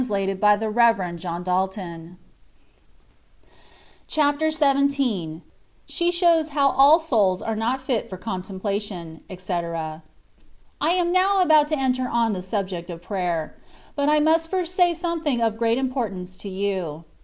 THE VAY OF PERFECTION. 79 CHAPTER XVII. SHE SHOWS HOW ALL SOULS ABB NOT FIT FOB CONTEMPLATION, ETC. I AM now about to enter on the subject of prayer; but I must first say something of great importance to you.